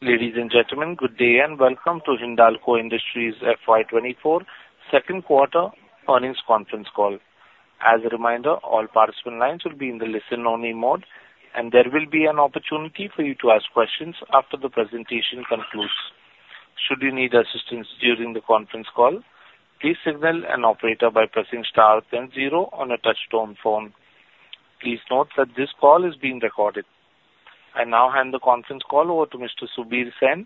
Ladies and gentlemen, good day, and welcome to Hindalco Industries FY 2024 second quarter earnings conference call. As a reminder, all participant lines will be in the listen-only mode, and there will be an opportunity for you to ask questions after the presentation concludes. Should you need assistance during the conference call, please signal an operator by pressing star then zero on a touchtone phone. Please note that this call is being recorded. I now hand the conference call over to Mr. Subir Sen,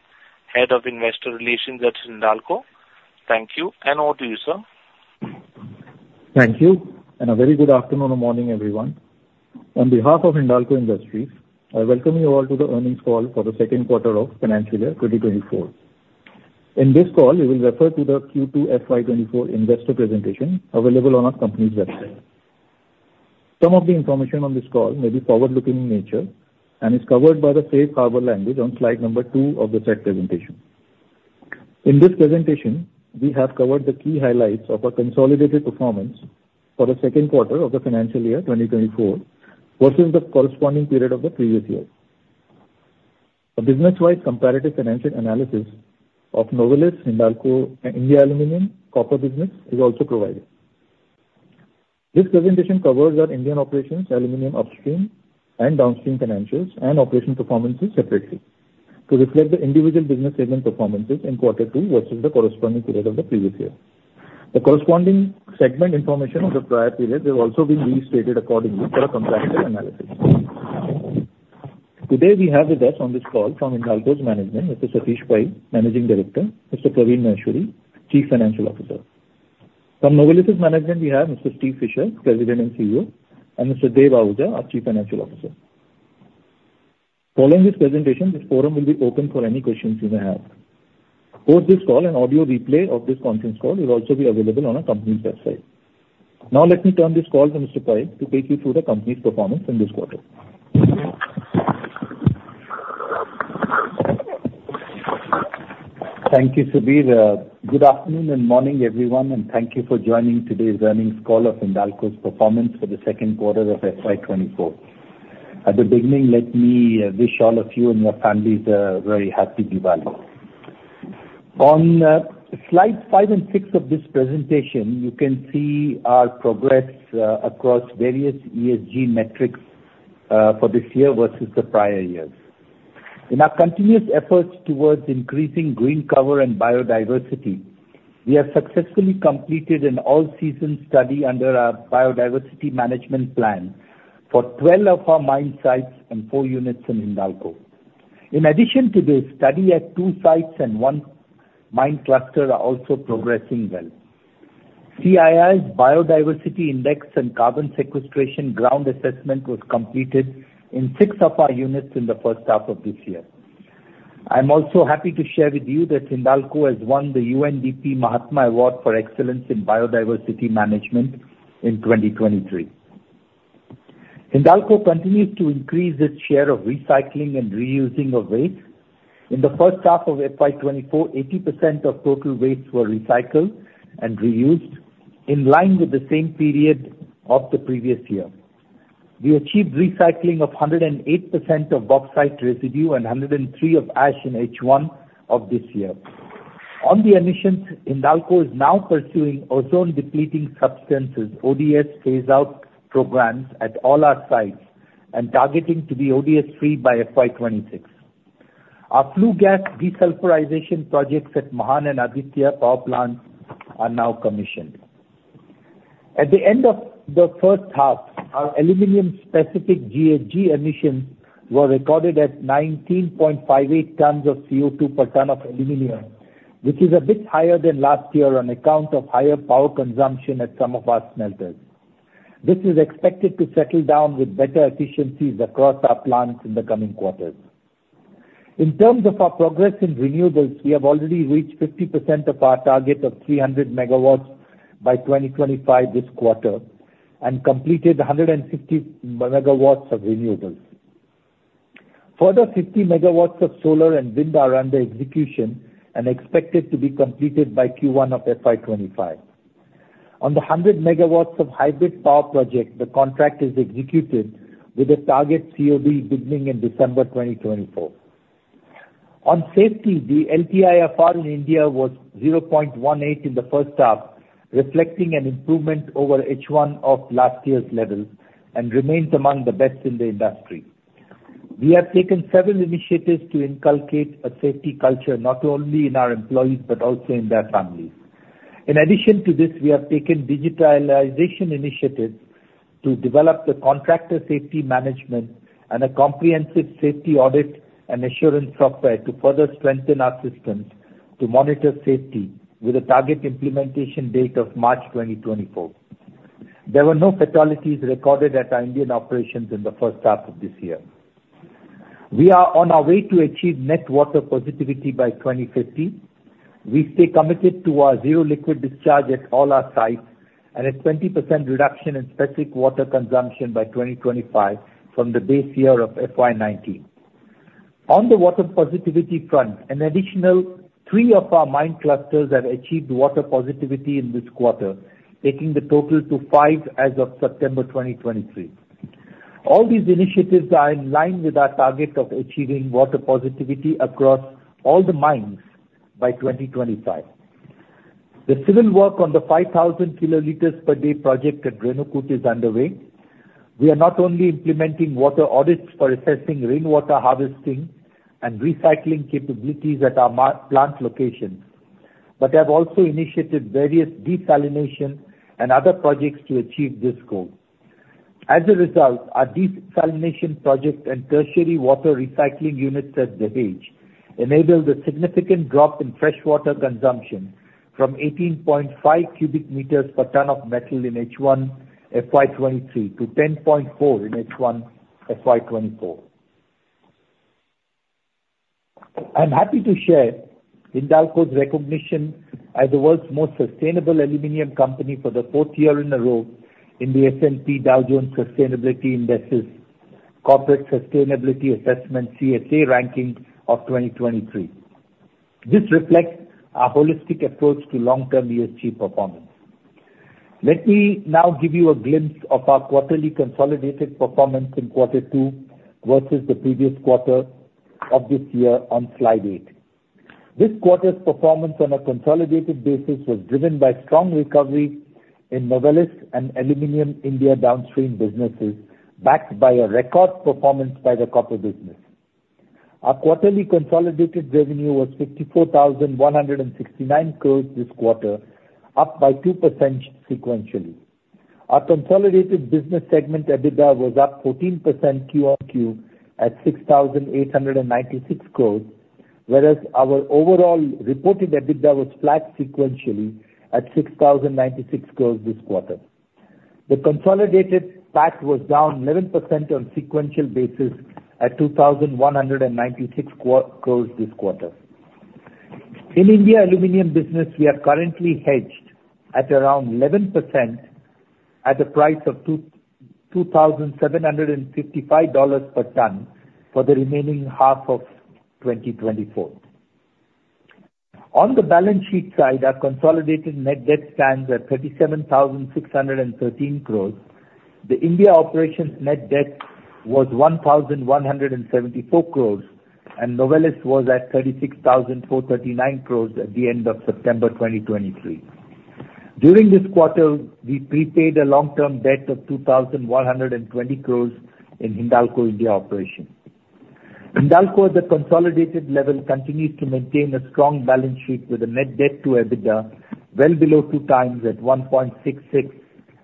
Head of Investor Relations at Hindalco. Thank you, and over to you, sir. Thank you, and a very good afternoon or morning, everyone. On behalf of Hindalco Industries, I welcome you all to the earnings call for the second quarter of financial year 2024. In this call, we will refer to the Q2 FY24 investor presentation available on our company's website. Some of the information on this call may be forward-looking in nature and is covered by the safe harbor language on slide number two of the said presentation. In this presentation, we have covered the key highlights of our consolidated performance for the second quarter of the financial year 2024, versus the corresponding period of the previous year. A business-wide comparative financial analysis of Novelis, Hindalco, and India Aluminum Copper business is also provided. This presentation covers our Indian operations, aluminum upstream and downstream financials, and operation performances separately to reflect the individual business segment performances in quarter two versus the corresponding period of the previous year. The corresponding segment information of the prior period have also been restated accordingly for a comparative analysis. Today, we have with us on this call from Hindalco's management, Mr. Satish Pai, Managing Director, Mr. Praveen Maheshwari, Chief Financial Officer. From Novelis' management, we have Mr. Steve Fisher, President and CEO, and Mr. Devinder Ahuja, our Chief Financial Officer. Following this presentation, this forum will be open for any questions you may have. Both this call and audio replay of this conference call will also be available on our company's website. Now, let me turn this call to Mr. Pai to take you through the company's performance in this quarter. Thank you, Subir. Good afternoon and morning, everyone, and thank you for joining today's earnings call of Hindalco's performance for the second quarter of FY 2024. At the beginning, let me wish all of you and your families a very happy Diwali. On slides five and six of this presentation, you can see our progress across various ESG metrics for this year versus the prior years. In our continuous efforts towards increasing green cover and biodiversity, we have successfully completed an all-season study under our biodiversity management plan for twelve of our mine sites and four units in Hindalco. In addition to this study at two sites and one mine cluster are also progressing well. CII's biodiversity index and carbon sequestration ground assessment was completed in six of our units in the first half of this year. I'm also happy to share with you that Hindalco has won the UNDP Mahatma Award for Excellence in Biodiversity Management in 2023. Hindalco continues to increase its share of recycling and reusing of waste. In the first half of FY 2024, 80% of total wastes were recycled and reused in line with the same period of the previous year. We achieved recycling of 108% of bauxite residue and 103% of ash in H1 of this year. On the emissions, Hindalco is now pursuing ozone-depleting substances, ODS, phase-out programs at all our sites and targeting to be ODS-free by FY 2026. Our flue gas desulfurization projects at Mahan and Aditya power plants are now commissioned. At the end of the first half, our aluminum-specific GHG emissions were recorded at 19.58 tons of CO2 per ton of aluminum, which is a bit higher than last year on account of higher power consumption at some of our smelters. This is expected to settle down with better efficiencies across our plants in the coming quarters. In terms of our progress in renewables, we have already reached 50% of our target of 300 MW by 2025 this quarter and completed 150 MW of renewables. Further 50 MW of solar and wind are under execution and expected to be completed by Q1 of FY 2025. On the 100 MW of hybrid power project, the contract is executed with a target COD beginning in December 2024. On safety, the LTIFR in India was 0.18 in the first half, reflecting an improvement over H1 of last year's level and remains among the best in the industry. We have taken several initiatives to inculcate a safety culture, not only in our employees but also in their families. In addition to this, we have taken digitalization initiatives to develop the contractor safety management and a comprehensive safety audit and assurance software to further strengthen our systems to monitor safety with a target implementation date of March 2024. There were no fatalities recorded at our Indian operations in the first half of this year. We are on our way to achieve net water positivity by 2050. We stay committed to our zero liquid discharge at all our sites and a 20% reduction in specific water consumption by 2025 from the base year of FY 2019. On the water positivity front, an additional three of our mine clusters have achieved water positivity in this quarter, taking the total to five as of September 2023. All these initiatives are in line with our target of achieving water positivity across all the mines by 2025. The civil work on the 5,000 kiloliters per day project at Renukoot is underway. We are not only implementing water audits for assessing rainwater harvesting and recycling capabilities at our Mahan plant locations, but have also initiated various desalination and other projects to achieve this goal. As a result, our desalination project and tertiary water recycling units at Dahej enabled a significant drop in freshwater consumption from 18.5 cu m per ton of metal in H1 FY 2023 to 10.4 in H1 FY 2024. I'm happy to share Hindalco's recognition as the world's most sustainable aluminum company for the fourth year in a row in the S&P Dow Jones Sustainability Indices, Corporate Sustainability Assessment, CSA ranking of 2023. This reflects our holistic approach to long-term ESG performance. Let me now give you a glimpse of our quarterly consolidated performance in quarter two versus the previous quarter of this year on slide eight. This quarter's performance on a consolidated basis was driven by strong recovery in Novelis and Aluminum India downstream businesses, backed by a record performance by the copper business. Our quarterly consolidated revenue was 54,169 crore this quarter, up by 2% sequentially. Our consolidated business segment EBITDA was up 14% QOQ at 6,896 crore, whereas our overall reported EBITDA was flat sequentially at 6,096 crore this quarter. The consolidated PAT was down 11% on sequential basis at 2,196 crore this quarter. In India Aluminum Business, we are currently hedged at around 11% at the price of $2,755 per ton for the remaining half of 2024. On the balance sheet side, our consolidated net debt stands at 37,613 crore. The India operations net debt was 1,174 crore, and Novelis was at 36,439 crore at the end of September 2023. During this quarter, we prepaid a long-term debt of 2,120 crore in Hindalco India operation. Hindalco, at the consolidated level, continues to maintain a strong balance sheet with a net debt to EBITDA well below 2x at 1.66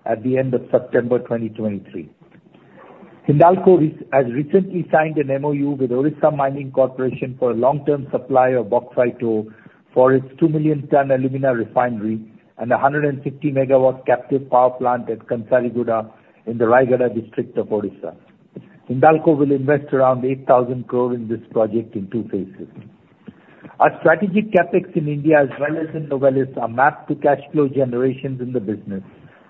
at the end of September 2023. Hindalco has recently signed an MOU with Odisha Mining Corporation for a long-term supply of bauxite ore for its 2 million ton alumina refinery and a 150 MW captive power plant at Kansariguda in the Rayagada district of Odisha. Hindalco will invest around 8,000 crore in this project in two phases. Our strategic CapEx in India, as well as in Novelis, are mapped to cash flow generations in the business,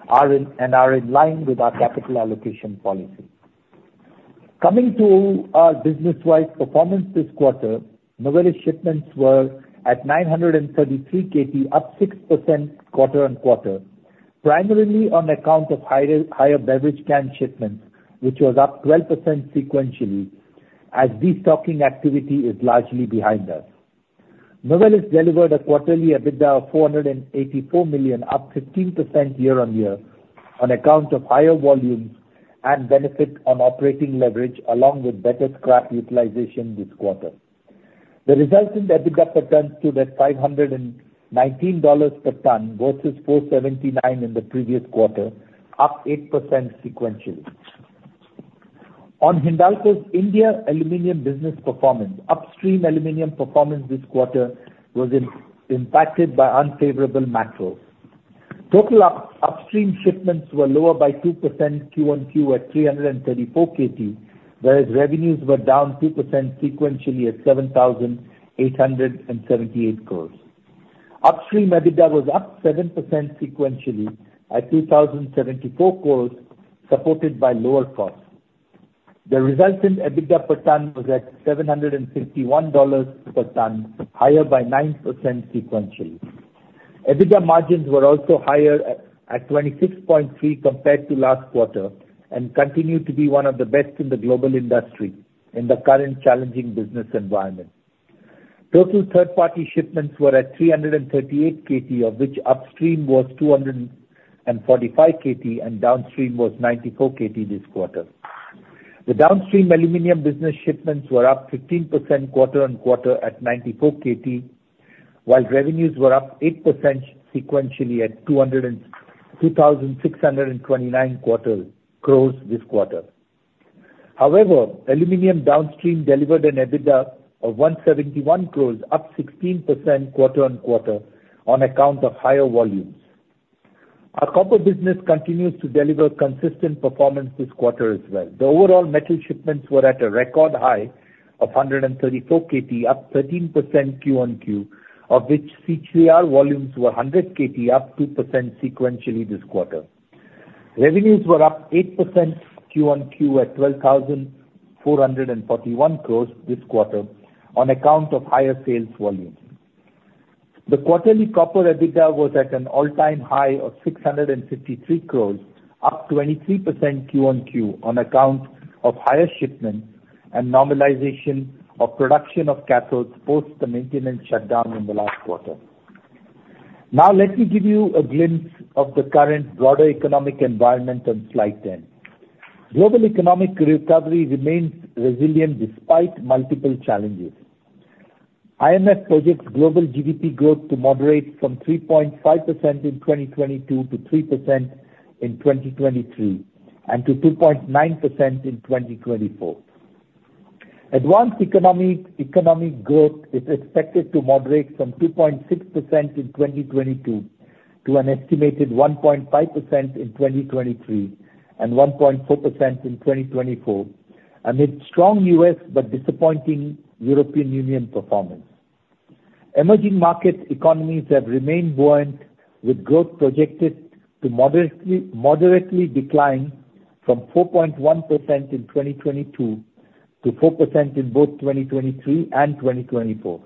and are in line with our capital allocation policy. Coming to our business-wide performance this quarter, Novelis shipments were at 933 KT, up 6% quarter-on-quarter, primarily on account of higher beverage can shipments, which was up 12% sequentially, as destocking activity is largely behind us. Novelis delivered a quarterly EBITDA of $484 million, up 15% year-on-year on account of higher volumes and benefit on operating leverage, along with better scrap utilization this quarter. The resulting EBITDA per ton stood at $519 per ton versus $479 in the previous quarter, up 8% sequentially. On Hindalco's India aluminum business performance, upstream aluminum performance this quarter was impacted by unfavorable macros. Total upstream shipments were lower by 2% Q1Q at 334 KT, whereas revenues were down 2% sequentially at 7,878 crore. Upstream EBITDA was up 7% sequentially at 2,074 crore, supported by lower costs. The resulting EBITDA per ton was at $751 per ton, higher by 9% sequentially. EBITDA margins were also higher at 26.3% compared to last quarter and continued to be one of the best in the global industry in the current challenging business environment. Total third-party shipments were at 338 KT, of which upstream was 245 KT and downstream was 94 KT this quarter. The downstream aluminum business shipments were up 15% quarter-on-quarter at 94 KT, while revenues were up 8% sequentially at 2,629 crore this quarter. However, aluminum downstream delivered an EBITDA of 171 crore, up 16% quarter-on-quarter on account of higher volumes. Our copper business continues to deliver consistent performance this quarter as well. The overall metal shipments were at a record high of 134 KT, up 13% Q-on-Q, of which CCR volumes were 100 KT, up 2% sequentially this quarter. Revenues were up 8% Q-on-Q at 12,441 crore this quarter on account of higher sales volumes. The quarterly copper EBITDA was at an all-time high of 653 crore, up 23% Q-on-Q on account of higher shipments and normalization of production of cathodes post the maintenance shutdown in the last quarter. Now, let me give you a glimpse of the current broader economic environment on slide 10. Global economic recovery remains resilient despite multiple challenges. IMF projects global GDP growth to moderate from 3.5% in 2022 to 3% in 2023, and to 2.9% in 2024. Advanced economic growth is expected to moderate from 2.6% in 2022 to an estimated 1.5% in 2023, and 1.4% in 2024, amid strong U.S. but disappointing European Union performance. Emerging market economies have remained buoyant, with growth projected to moderately decline from 4.1% in 2022 to 4% in both 2023 and 2024.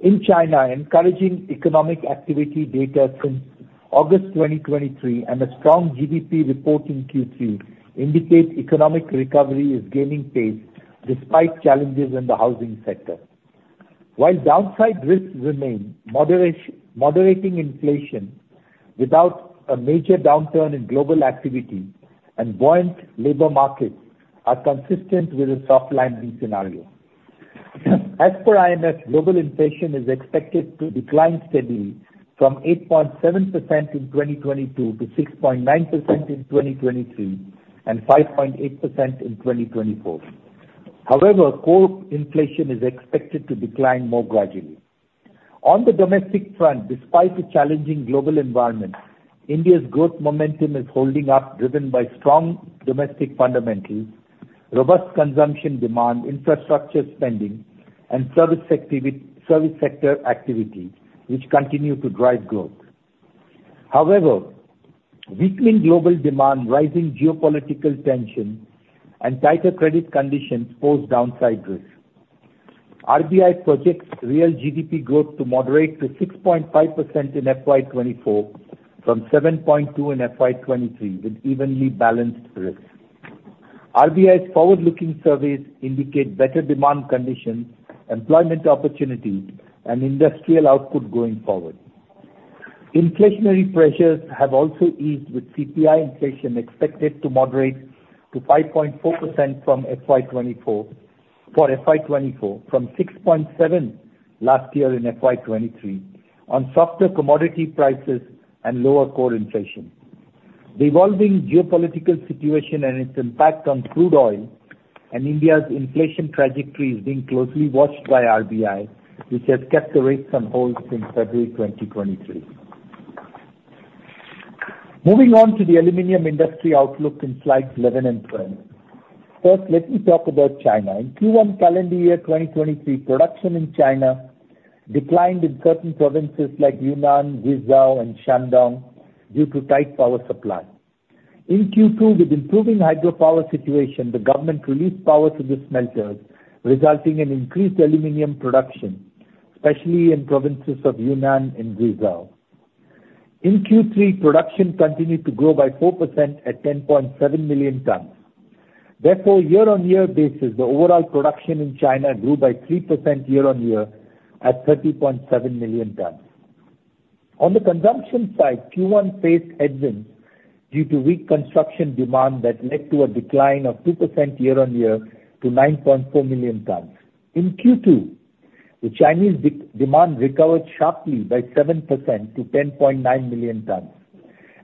In China, encouraging economic activity data from August 2023 and a strong GDP report in Q3 indicate economic recovery is gaining pace despite challenges in the housing sector. While downside risks remain, moderating inflation without a major downturn in global activity and buoyant labor markets are consistent with a soft landing scenario. As per IMF, global inflation is expected to decline steadily from 8.7% in 2022 to 6.9% in 2023, and 5.8% in 2024. However, core inflation is expected to decline more gradually. On the domestic front, despite the challenging global environment, India's growth momentum is holding up, driven by strong domestic fundamentals, robust consumption demand, infrastructure spending, and service sector activity, which continue to drive growth. However, weakening global demand, rising geopolitical tension, and tighter credit conditions pose downside risks. RBI projects real GDP growth to moderate to 6.5% in FY 2024 from 7.2 in FY 2023, with evenly balanced risks. RBI's forward-looking surveys indicate better demand conditions, employment opportunities, and industrial output going forward. Inflationary pressures have also eased, with CPI inflation expected to moderate to 5.4% from FY 2024, for FY 2024, from 6.7 last year in FY 2023 on softer commodity prices and lower core inflation. The evolving geopolitical situation and its impact on crude oil and India's inflation trajectory is being closely watched by RBI, which has kept the rates on hold since February 2023. Moving on to the aluminum industry outlook in slides 11 and 12. First, let me talk about China. In Q1 calendar year 2023, production in China declined in certain provinces like Yunnan, Guizhou, and Shandong due to tight power supply. In Q2, with improving hydropower situation, the government released power to the smelters, resulting in increased aluminum production, especially in provinces of Yunnan and Guizhou. In Q3, production continued to grow by 4% at 10.7 million tons. Therefore, year-on-year basis, the overall production in China grew by 3% year-on-year at 30.7 million tons., On the consumption side, Q1 faced headwinds due to weak construction demand that led to a decline of 2% year-on-year to 9.4 million tons. In Q2, the Chinese demand recovered sharply by 7% to 10.9 million tons,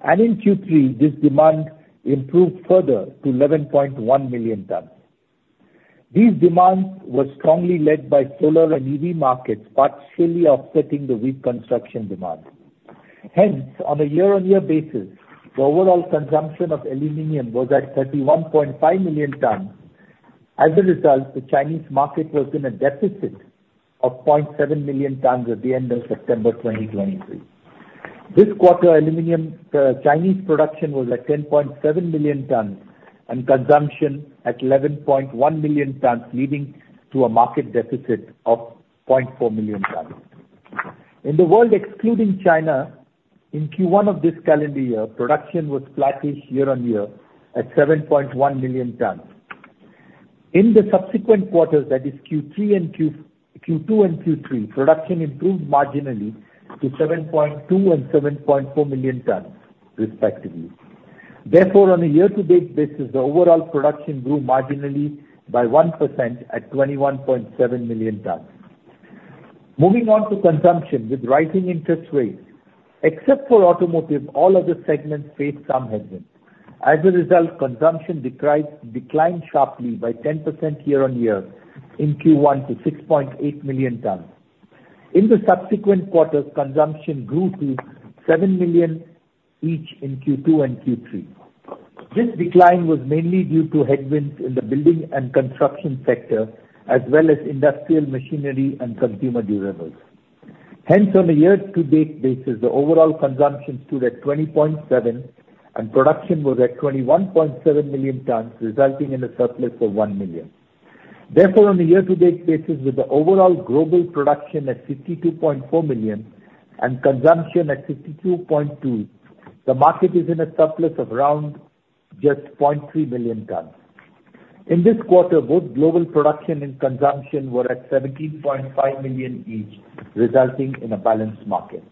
and in Q3, this demand improved further to 11.1 million tons. These demands were strongly led by solar and EV markets, partially offsetting the weak construction demand. Hence, on a year-on-year basis, the overall consumption of aluminum was at 31.5 million tons. As a result, the Chinese market was in a deficit of 0.7 million tons at the end of September 2023. This quarter, aluminum, Chinese production was at 10.7 million tons and consumption at 11.1 million tons, leading to a market deficit of 0.4 million tons. In the world, excluding China, in Q1 of this calendar year, production was flattish year-on-year at 7.1 million tons. In the subsequent quarters, that is Q2 and Q3, production improved marginally to 7.2 and 7.4 million tons, respectively. Therefore, on a year-to-date basis, the overall production grew marginally by 1% at 21.7 million tons. Moving on to consumption. With rising interest rates, except for automotive, all other segments faced some headwinds. As a result, consumption declined sharply by 10% year-on-year in Q1 to 6.8 million tons. In the subsequent quarters, consumption grew to 7 million each in Q2 and Q3. This decline was mainly due to headwinds in the building and construction sector, as well as industrial machinery and consumer durables.... Hence, on a year-to-date basis, the overall consumption stood at 20.7, and production was at 21.7 million tons, resulting in a surplus of 1 million. Therefore, on a year-to-date basis, with the overall global production at 52.4 million and consumption at 52.2, the market is in a surplus of around just 0.3 million tons. In this quarter, both global production and consumption were at 17.5 million each, resulting in a balanced market.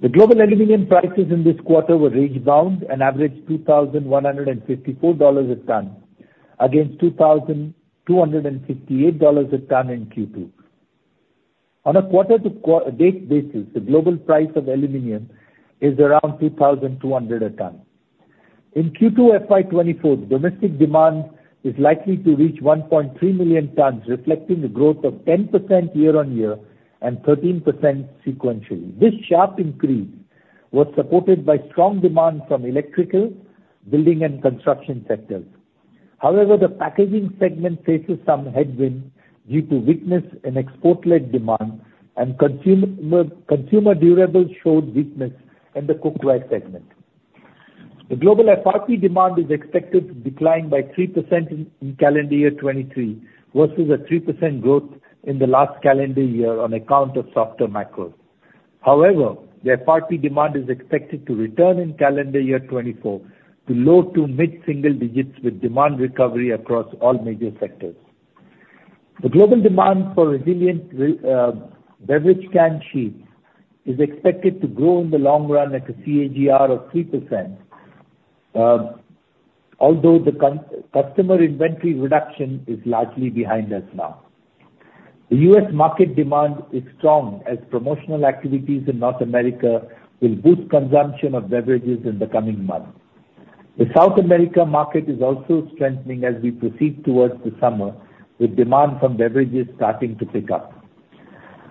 The global aluminum prices in this quarter were range-bound and averaged $2,154 a ton, against $2,258 a ton in Q2. On a quarter-to-date basis, the global price of aluminum is around $2,200 a ton. In Q2 FY 2024, domestic demand is likely to reach 1.3 million tons, reflecting a growth of 10% year-on-year and 13% sequentially. This sharp increase was supported by strong demand from electrical, building, and construction sectors. However, the packaging segment faces some headwind due to weakness in export-led demand, and consumer durables showed weakness in the cookware segment. The global FRP demand is expected to decline by 3% in calendar year 2023, versus a 3% growth in the last calendar year on account of softer macro. However, the FRP demand is expected to return in calendar year 2024 to low to mid-single digits, with demand recovery across all major sectors. The global demand for resilient beverage can sheets is expected to grow in the long run at a CAGR of 3%, although the customer inventory reduction is largely behind us now. The U.S. market demand is strong, as promotional activities in North America will boost consumption of beverages in the coming months. The South America market is also strengthening as we proceed towards the summer, with demand from beverages starting to pick up.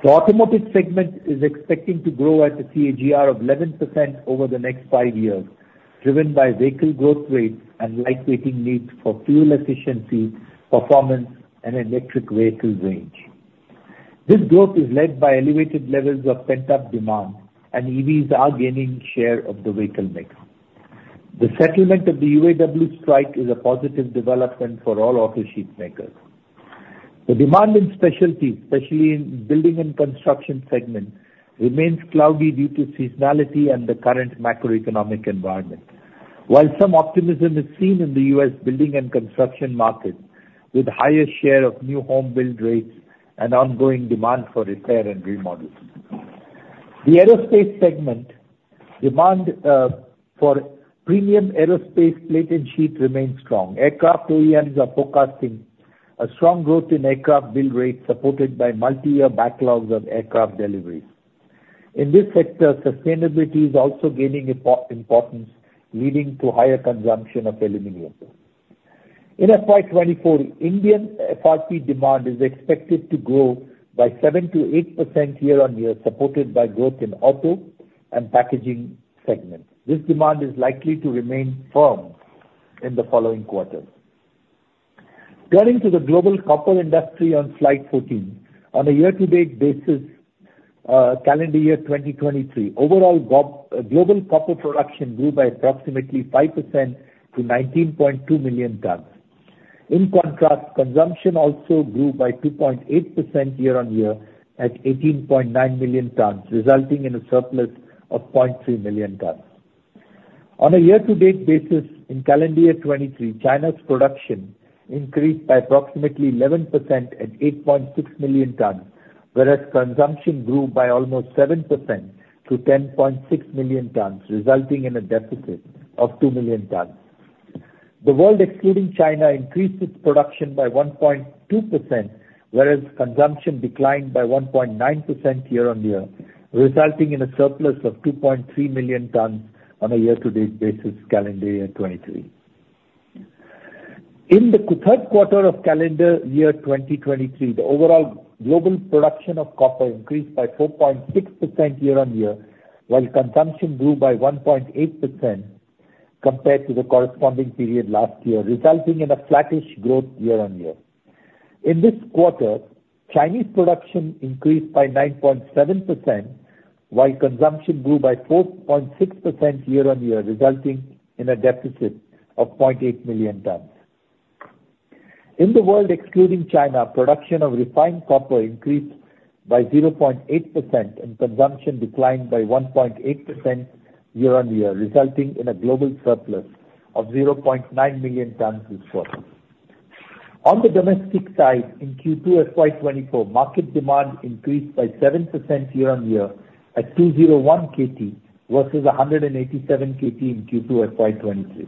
The automotive segment is expecting to grow at a CAGR of 11% over the next five years, driven by vehicle growth rates and lightweighting needs for fuel efficiency, performance, and electric vehicle range. This growth is led by elevated levels of pent-up demand, and EVs are gaining share of the vehicle mix. The settlement of the UAW strike is a positive development for all auto sheet makers. The demand in specialties, especially in building and construction segment, remains cloudy due to seasonality and the current macroeconomic environment. While some optimism is seen in the U.S. building and construction market, with higher share of new home build rates and ongoing demand for repair and remodeling. The aerospace segment demand for premium aerospace plate and sheet remains strong. Aircraft OEMs are forecasting a strong growth in aircraft build rates, supported by multi-year backlogs of aircraft deliveries. In this sector, sustainability is also gaining importance, leading to higher consumption of aluminum. In FY 2024, Indian FRP demand is expected to grow by 7%-8% year-on-year, supported by growth in auto and packaging segments. This demand is likely to remain firm in the following quarters. Turning to the global copper industry on slide 14. On a year-to-date basis, calendar year 2023, overall global copper production grew by approximately 5% to 19.2 million tons. In contrast, consumption also grew by 2.8% year-on-year at 18.9 million tons, resulting in a surplus of 0.3 million tons. On a year-to-date basis, in calendar year 2023, China's production increased by approximately 11% at 8.6 million tons, whereas consumption grew by almost 7% to 10.6 million tons, resulting in a deficit of 2 million tons. The world, excluding China, increased its production by 1.2%, whereas consumption declined by 1.9% year-on-year, resulting in a surplus of 2.3 million tons on a year-to-date basis, calendar year 2023. In the third quarter of calendar year 2023, the overall global production of copper increased by 4.6% year-on-year, while consumption grew by 1.8% compared to the corresponding period last year, resulting in a flattish growth year-on-year. In this quarter, Chinese production increased by 9.7%, while consumption grew by 4.6% year-on-year, resulting in a deficit of 0.8 million tons. In the world, excluding China, production of refined copper increased by 0.8%, and consumption declined by 1.8% year-on-year, resulting in a global surplus of 0.9 million tons this quarter. On the domestic side, in Q2 FY 2024, market demand increased by 7% year-on-year at 201 KT versus 187 KT in Q2 FY 2023.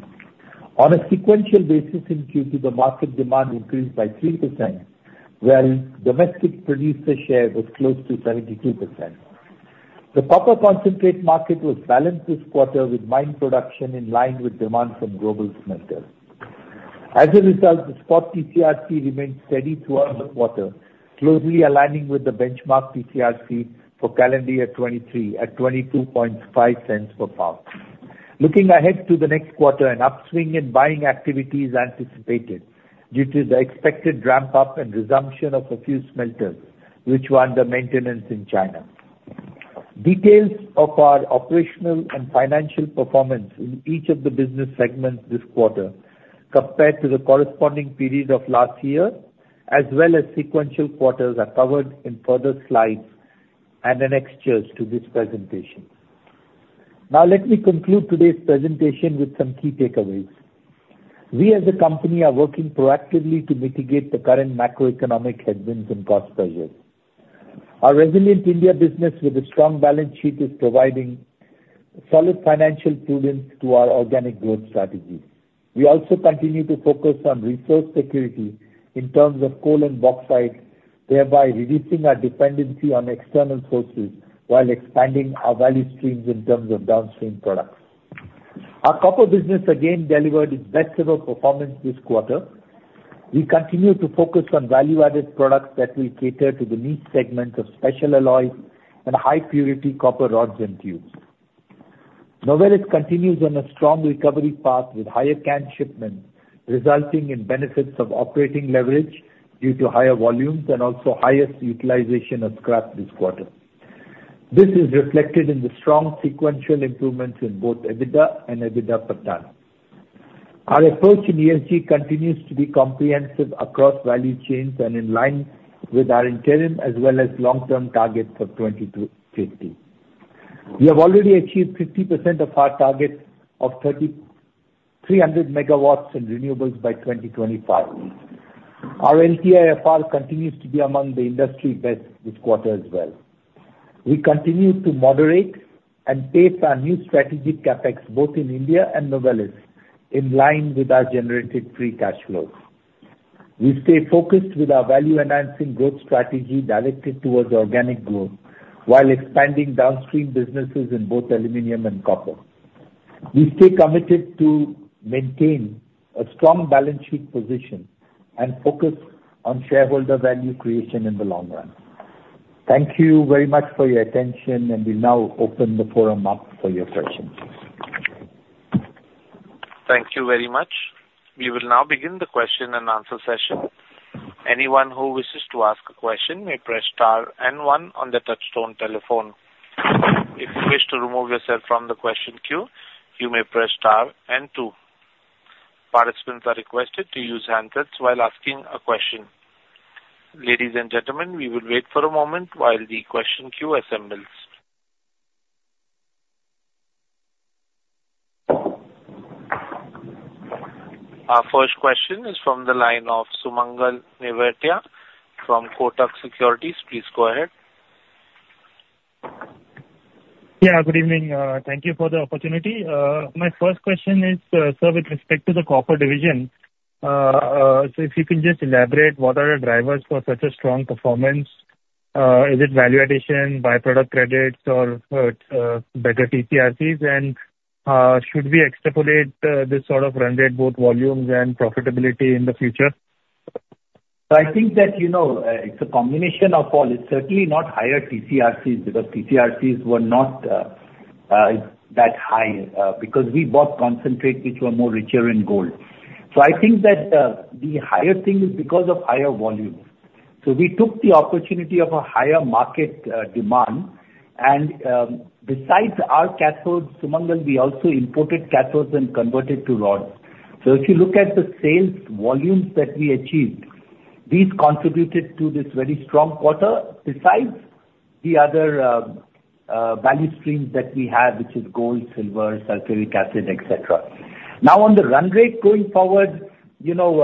On a sequential basis in Q2, the market demand increased by 3%, while domestic producer share was close to 72%. The copper concentrate market was balanced this quarter, with mine production in line with demand from global smelters. As a result, the spot TCRC remained steady throughout the quarter, closely aligning with the benchmark TCRC for calendar year 2023 at $0.225 per pound. Looking ahead to the next quarter, an upswing in buying activity is anticipated due to the expected ramp-up and resumption of a few smelters, which were under maintenance in China. Details of our operational and financial performance in each of the business segments this quarter, compared to the corresponding period of last year, as well as sequential quarters, are covered in further slides and annexures to this presentation. Now, let me conclude today's presentation with some key takeaways. We, as a company, are working proactively to mitigate the current macroeconomic headwinds and cost pressures. Our resilient India business with a strong balance sheet is providing solid financial prudence to our organic growth strategy. We also continue to focus on resource security in terms of coal and bauxite, thereby reducing our dependency on external sources while expanding our value streams in terms of downstream products. Our copper business again delivered its best ever performance this quarter. We continue to focus on value-added products that will cater to the niche segments of special alloys and high purity copper rods and tubes. Novelis continues on a strong recovery path with higher can shipments, resulting in benefits of operating leverage due to higher volumes and also highest utilization of scrap this quarter. This is reflected in the strong sequential improvements in both EBITDA and EBITDA per ton. Our approach in ESG continues to be comprehensive across value chains and in line with our interim as well as long-term targets for 20-50. We have already achieved 50% of our target of 3,300 MW in renewables by 2025. Our LTIFR continues to be among the industry's best this quarter as well. We continue to moderate and pace our new strategic CapEx, both in India and Novelis, in line with our generated free cash flows. We stay focused with our value-enhancing growth strategy directed towards organic growth, while expanding downstream businesses in both aluminum and copper. We stay committed to maintain a strong balance sheet position and focus on shareholder value creation in the long run. Thank you very much for your attention, and we now open the forum up for your questions. Thank you very much. We will now begin the question and answer session. Anyone who wishes to ask a question may press star and one on the touch tone telephone. If you wish to remove yourself from the question queue, you may press star and two. Participants are requested to use handsets while asking a question. Ladies and gentlemen, we will wait for a moment while the question queue assembles. Our first question is from the line of Sumangal Nevatia from Kotak Securities. Please go ahead. Yeah, good evening. Thank you for the opportunity. My first question is, sir, with respect to the copper division, so if you can just elaborate, what are the drivers for such a strong performance? Is it value addition, by-product credits, or better TCRCs? And, should we extrapolate, this sort of run rate, both volumes and profitability in the future? So I think that, you know, it's a combination of all. It's certainly not higher TCRCs, because TCRCs were not that high, because we bought concentrate, which were more richer in gold. So I think that the higher thing is because of higher volumes. So we took the opportunity of a higher market demand, and besides our cathodes, Sumangal, we also imported cathodes and converted to rods. So if you look at the sales volumes that we achieved, these contributed to this very strong quarter, besides the other value streams that we have, which is gold, silver, sulfuric acid, et cetera. Now, on the run rate going forward, you know,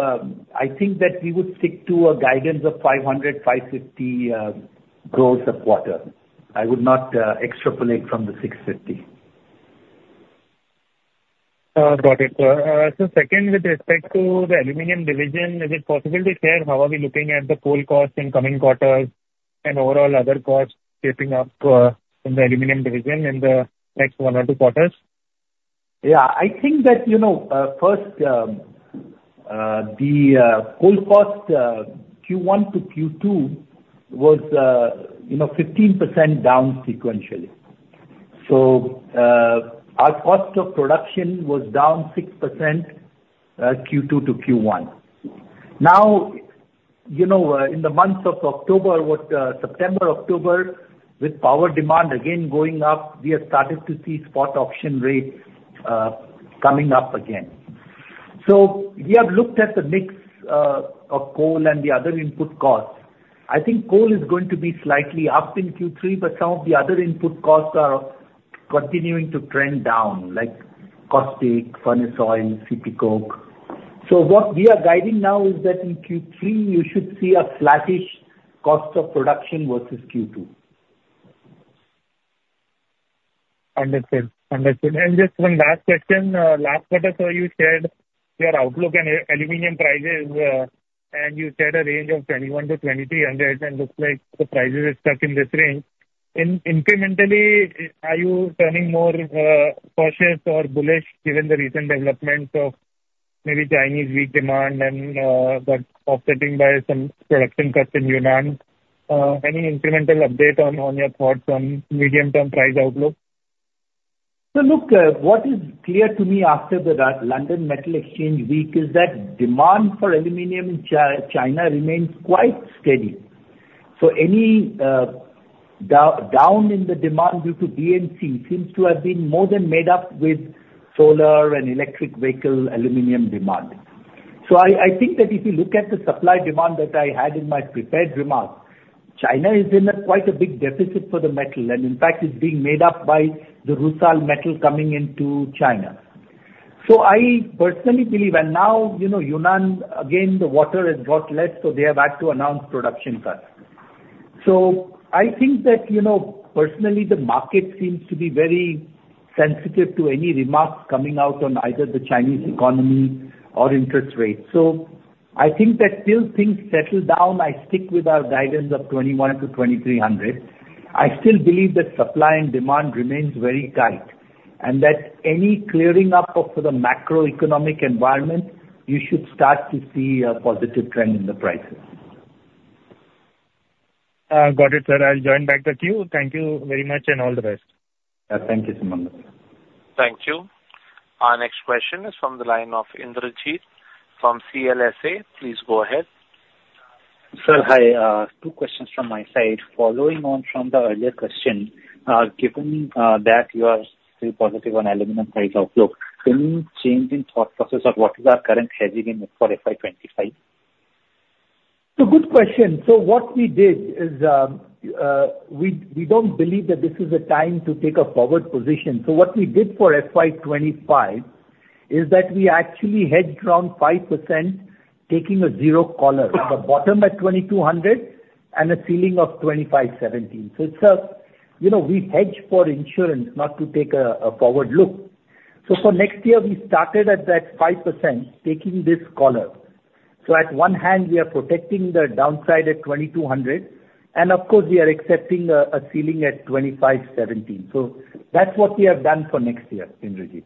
I think that we would stick to a guidance of 500-550 growth quarter. I would not extrapolate from the 650. Got it. So second, with respect to the aluminum division, is it possible to share how are we looking at the coal costs in coming quarters and overall other costs shaping up, in the aluminum division in the next one or two quarters? Yeah, I think that, you know, first, the coal cost Q1 to Q2 was, you know, 15% down sequentially. So, our cost of production was down 6% Q2 to Q1. Now, you know, in the months of October, what, September, October, with power demand again going up, we have started to see spot auction rates coming up again. So we have looked at the mix of coal and the other input costs. I think coal is going to be slightly up in Q3, but some of the other input costs are continuing to trend down, like caustic, furnace oil, CP coke. So what we are guiding now is that in Q3, you should see a flattish cost of production versus Q2. Understood. Understood. And just one last question. Last quarter, sir, you shared your outlook on aluminum prices, and you said a range of $2,100-$2,300, and looks like the prices are stuck in this range. Incrementally, are you turning more cautious or bullish given the recent developments of maybe Chinese weak demand and but offsetting by some production cuts in Yunnan? Any incremental update on your thoughts on medium-term price outlook? So, look, what is clear to me after the London Metal Exchange week is that demand for aluminum in China remains quite steady. So any down in the demand due to B&C seems to have been more than made up with solar and electric vehicle aluminum demand. So I think that if you look at the supply-demand that I had in my prepared remarks, China is in quite a big deficit for the metal, and in fact, is being made up by the Rusal metal coming into China. So I personally believe, and now, you know, Yunnan, again, the water has got less, so they have had to announce production cuts. So I think that, you know, personally, the market seems to be very sensitive to any remarks coming out on either the Chinese economy or interest rates. I think that till things settle down, I stick with our guidance of $2,100-$2,300. I still believe that supply and demand remains very tight, and that any clearing up of the macroeconomic environment, you should start to see a positive trend in the prices. Got it, sir. I'll join back the queue. Thank you very much, and all the best. Thank you, Sumangal. Thank you. Our next question is from the line of Indrajit from CLSA. Please go ahead. Sir, hi. Two questions from my side. Following on from the earlier question, given that you are still positive on aluminum price outlook, any change in thought process of what is our current hedging in for FY 2025? It's a good question. So what we did is, we don't believe that this is a time to take a forward position. So what we did for FY 2025, is that we actually hedged around 5%, taking a zero collar, with a bottom at $2,200 and a ceiling of $2,517. So it's a... You know, we hedge for insurance, not to take a forward look. So for next year, we started at that 5%, taking this collar. So at one hand we are protecting the downside at $2,200, and of course we are accepting a ceiling at $2,517. So that's what we have done for next year, Indrajit.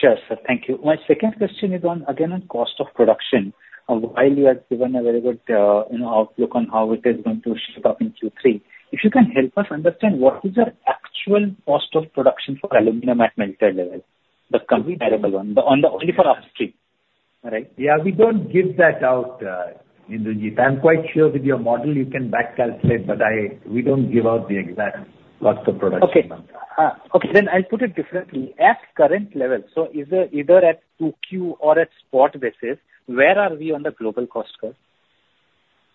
Sure, sir. Thank you. My second question is on, again, on cost of production. While you have given a very good, you know, outlook on how it is going to shape up in Q3, if you can help us understand what is your actual cost of production for aluminum at maintenance level, the current variable one, the on the, only for upstream, all right? Yeah, we don't give that out, Indrajit. I'm quite sure with your model you can back calculate, but I, we don't give out the exact cost of production. Okay, then I'll put it differently. At current level, so is it either at 2Q or at spot basis, where are we on the global cost curve?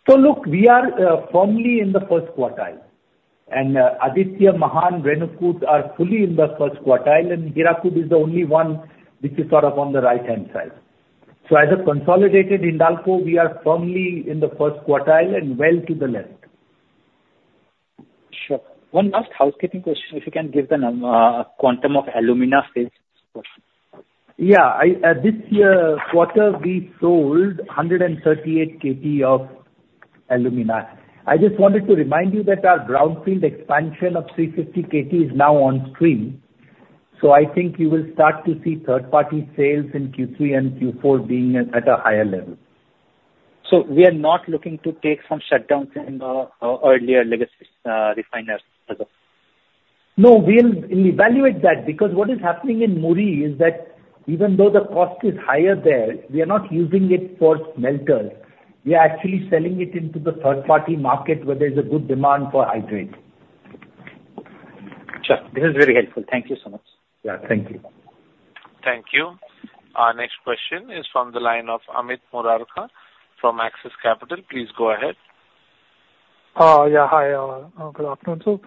So look, we are firmly in the first quartile, and Aditya, Mahan, Renukoot are fully in the first quartile, and Hirakud is the only one which is sort of on the right-hand side. So as a consolidated Hindalco, we are firmly in the first quartile and well to the left. Sure. One last housekeeping question, if you can give the quantum of alumina sales? Yeah, I, this year quarter, we sold 138 KT of alumina. I just wanted to remind you that our brownfield expansion of 350 KT is now on stream, so I think you will start to see third-party sales in Q3 and Q4 being at a higher level. We are not looking to take some shutdowns in our earlier legacy refiners as well? No, we'll evaluate that, because what is happening in Muri is that even though the cost is higher there, we are not using it for smelters. We are actually selling it into the third-party market, where there's a good demand for hydrate. Sure. This is very helpful. Thank you so much. Yeah, thank you. Thank you. Our next question is from the line of Amit Murarka from Axis Capital. Please go ahead. Yeah, hi, good afternoon. So,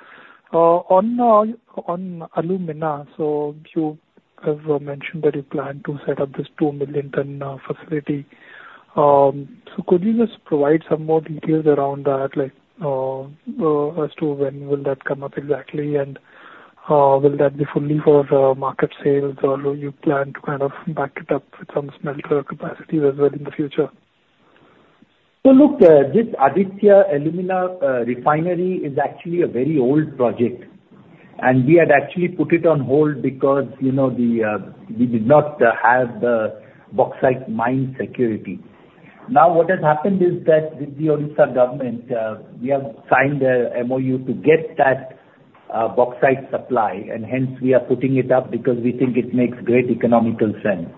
on alumina, so you have mentioned that, you plan to set up this 2 million ton facility. So could you just provide some more details around that, like, as to when will that come up exactly? And, will that be fully for the market sales, or do you plan to kind of back it up with some smelter capacity as well in the future? So look, this Aditya alumina refinery is actually a very old project, and we had actually put it on hold because, you know, the, we did not have the bauxite mine security. Now, what has happened is that with the Odisha government, we have signed a MOU to get that, bauxite supply, and hence we are putting it up because we think it makes great economical sense.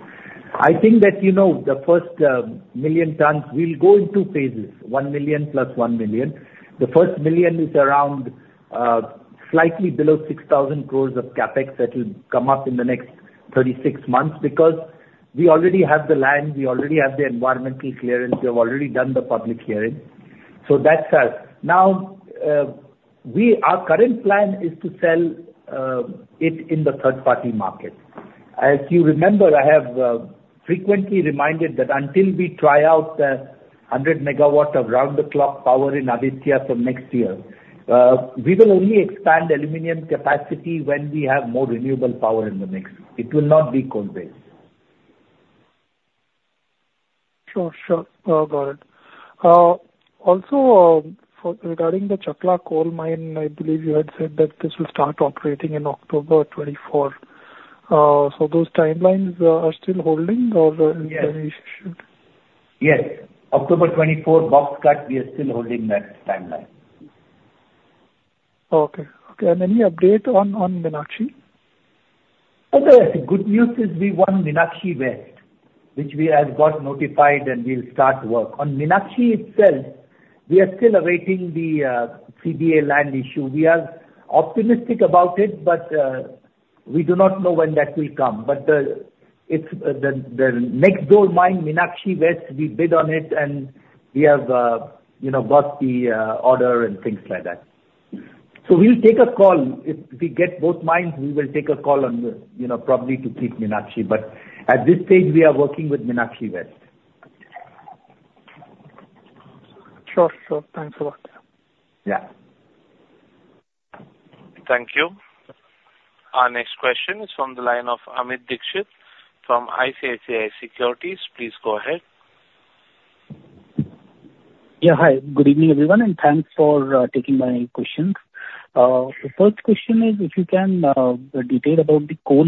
I think that, you know, the first 1 million tons will go in two phases, 1 million plus 1 million. The first million is around, slightly below 6,000 crore of CapEx. That will come up in the next 36 months, because we already have the land, we already have the environmental clearance, we have already done the public hearing, so that's us. Now, our current plan is to sell it in the third-party market. As you remember, I have frequently reminded that until we try out the 100 MW of round-the-clock power in Aditya from next year, we will only expand aluminum capacity when we have more renewable power in the mix. It will not be coal-based.... Sure, sure. Got it. Also, for regarding the Chakla coal mine, I believe you had said that this will start operating in October 2024. So those timelines are still holding or there is issue? Yes, October 24, Box Cut, we are still holding that timeline. Okay. Okay, and any update on Meenakshi? Okay, the good news is we won Meenakshi West, which we have got notified and we'll start work. On Meenakshi itself, we are still awaiting the CBA land issue. We are optimistic about it, but we do not know when that will come. But it's the next door mine, Meenakshi West, we bid on it, and we have, you know, got the order and things like that. So we'll take a call. If we get both mines, we will take a call on the, you know, probably to keep Meenakshi, but at this stage, we are working with Meenakshi West. Sure, sure. Thanks a lot. Yeah. Thank you. Our next question is from the line of Amit Dixit from ICICI Securities. Please go ahead. Yeah, hi. Good evening, everyone, and thanks for taking my questions. The first question is if you can detail about the coal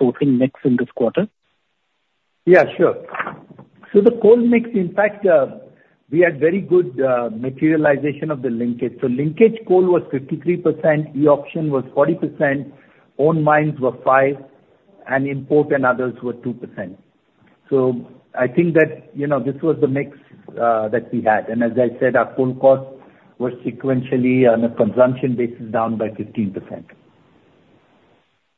sourcing mix in this quarter? Yeah, sure. So the coal mix, in fact, we had very good materialization of the linkage. So linkage coal was 53%, e-auction was 40%, own mines were 5%, and import and others were 2%. So I think that, you know, this was the mix that we had, and as I said, our coal cost was sequentially on a consumption basis, down by 15%.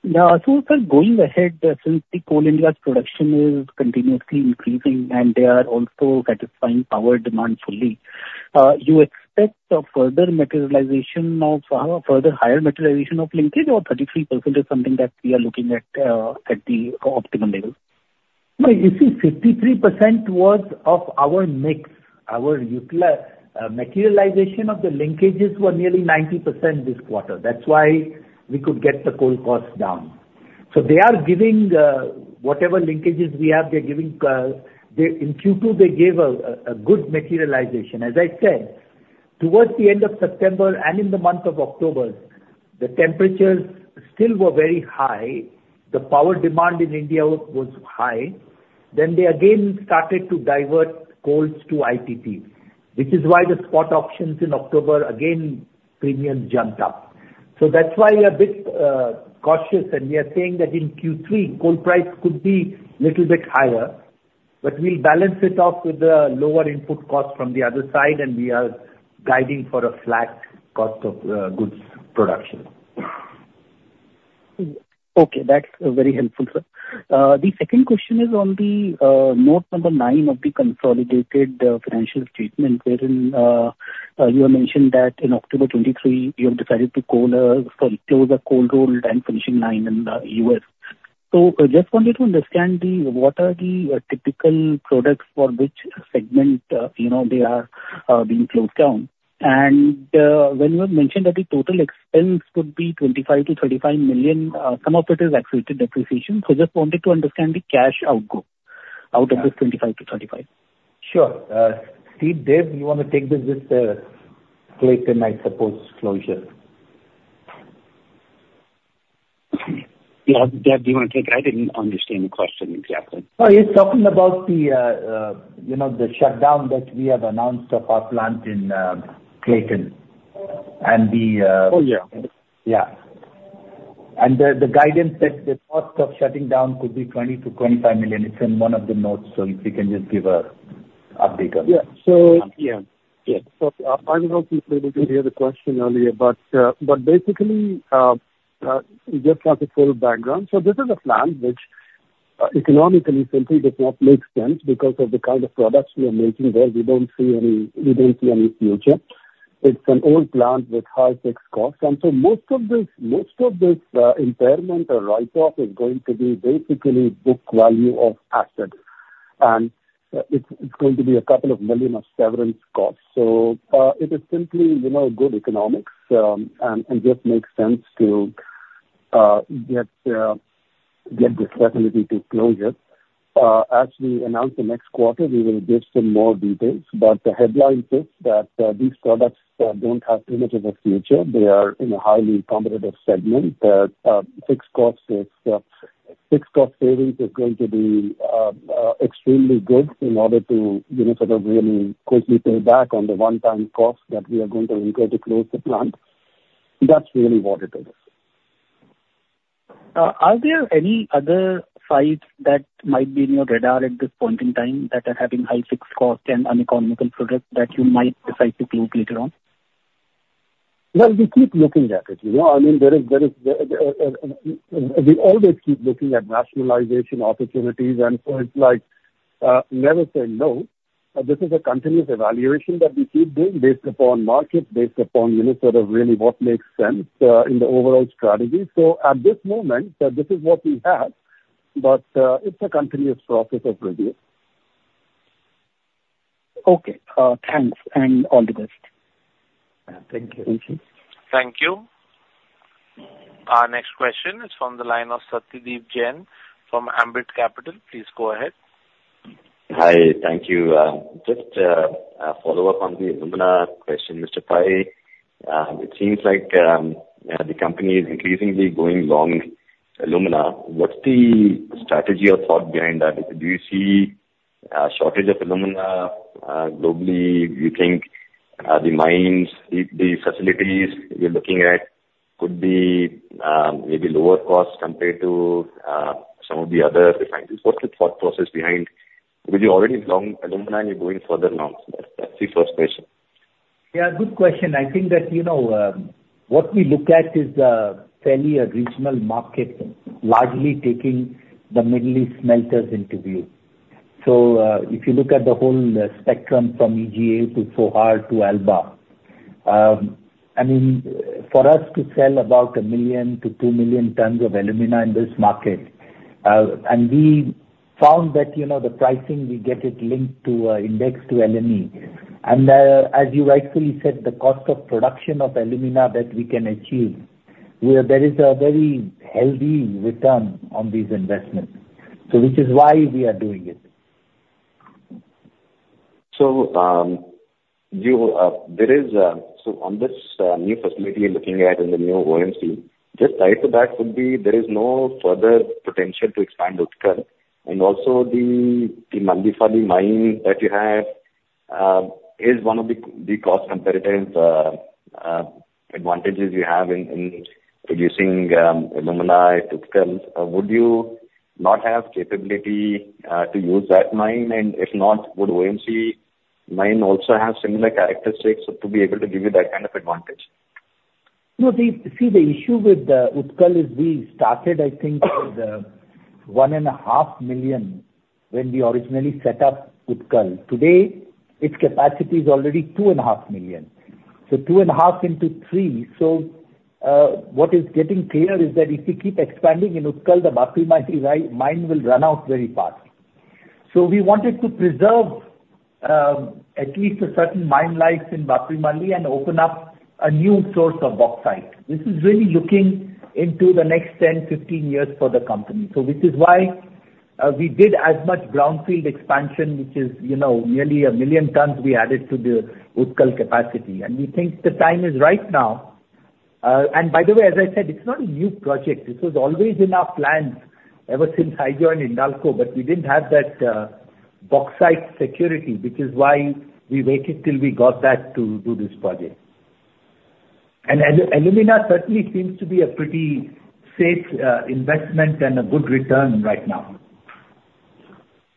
Now, so sir, going ahead, since the coal production is continuously increasing and they are also satisfying power demand fully, you expect a further materialization of, further higher materialization of linkage or 33% is something that we are looking at, at the optimum level? No, you see, 53% was of our mix. Our nuclear materialization of the linkages were nearly 90% this quarter. That's why we could get the coal costs down. So they are giving whatever linkages we have, they're giving they in Q2, they gave us a good materialization. As I said, towards the end of September and in the month of October, the temperatures still were very high. The power demand in India was high. Then they again started to divert coals to IPP, which is why the spot auctions in October, again, premium jumped up. So that's why we are a bit cautious, and we are saying that in Q3, coal price could be little bit higher, but we'll balance it off with the lower input cost from the other side, and we are guiding for a flat cost of goods production. Okay, that's very helpful, sir. The second question is on the note number nine of the consolidated financial statement, wherein you have mentioned that in October 2023, you have decided to close the cold roll and finishing line in the US. So I just wanted to understand the typical products for which segment, you know, they are being closed down? And when you have mentioned that the total expense could be $25 million-$35 million, some of it is accelerated depreciation. So just wanted to understand the cash outgo out of this $25 million-$35 million. Sure. Steve, Dave, you want to take this, this, Clayton, I suppose, closure? Yeah, Dave, do you want to take it? I didn't understand the question exactly. Oh, he's talking about the, you know, the shutdown that we have announced of our plant in Clayton, and the Oh, yeah. Yeah. And the guidance that the cost of shutting down could be $20 million-$25 million. It's in one of the notes, so if you can just give an update on that. Yeah. So, yeah. Yeah. So I was not able to hear the question earlier, but, but basically, just as a full background, so this is a plant which, economically simply does not make sense because of the kind of products we are making there. We don't see any, we don't see any future. It's an old plant with high fixed costs, and so most of this, most of this, impairment or write-off is going to be basically book value of assets. And, it's, it's going to be $2 million of severance costs. So, it is simply, you know, good economics, and, and just makes sense to, get, get this facility to close it. As we announce the next quarter, we will give some more details, but the headline is that these products don't have much of a future. They are in a highly competitive segment. Fixed cost savings is going to be extremely good in order to, you know, sort of really quickly pay back on the one-time cost that we are going to incur to close the plant. That's really what it is. Are there any other sites that might be in your radar at this point in time, that are having high fixed costs and uneconomical products that you might decide to close later on? Well, we keep looking at it, you know. I mean, there is, we always keep looking at rationalization opportunities, and so it's like, never say no. But this is a continuous evaluation that we keep doing based upon market, based upon, you know, sort of really what makes sense, in the overall strategy. So at this moment, this is what we have, but, it's a continuous process of review. Okay, thanks, and all the best.... Thank you. Thank you. Our next question is from the line of Satyadeep Jain from Ambit Capital. Please go ahead. Hi, thank you. Just a follow-up on the alumina question, Mr. Pai. It seems like the company is increasingly going long alumina. What's the strategy or thought behind that? Do you see a shortage of alumina globally? Do you think the mines, the facilities you're looking at could be maybe lower cost compared to some of the other refineries? What's the thought process behind that? Because you're already long alumina, and you're going further now. That's the first question. Yeah, good question. I think that, you know, what we look at is, fairly a regional market, largely taking the Middle East smelters into view. So, if you look at the whole spectrum from EGA to Sohar to Alba, I mean, for us to sell about 1 million-2 million tons of alumina in this market, and we found that, you know, the pricing, we get it linked to, index to LME. And, as you rightfully said, the cost of production of alumina that we can achieve, where there is a very healthy return on these investments. So which is why we are doing it. On this new facility you're looking at in the new OMC, just right to that could be there is no further potential to expand Utkal. And also the Baphlimali mine that you have is one of the cost-competitive advantages you have in producing alumina at Utkal. Would you not have capability to use that mine? And if not, would OMC mine also have similar characteristics to be able to give you that kind of advantage? No, see, the issue with Utkal is we started, I think, with 1.5 million, when we originally set up Utkal. Today, its capacity is already 2.5 million. So 2.5 into three, so what is getting clear is that if you keep expanding in Utkal, the Baphlimali mine will run out very fast. So we wanted to preserve at least a certain mine life in Baphlimali and open up a new source of bauxite. This is really looking into the next 10, 15 years for the company. So this is why we did as much brownfield expansion, which is, you know, nearly 1 million tons we added to the Utkal capacity. And we think the time is right now. And by the way, as I said, it's not a new project. This was always in our plans ever since I joined Hindalco, but we didn't have that, bauxite security, which is why we waited till we got that to do this project. And alumina certainly seems to be a pretty safe, investment and a good return right now.